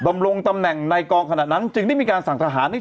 บำลงตำแหน่งในกองขนาดนั้นซึ่งได้มีการทางสังทหาร